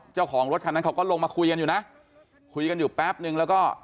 เจ้าของรถคันนั้นเขาก็ลงมาคุยกันอยู่นะคุยกันอยู่แป๊บนึงแล้วก็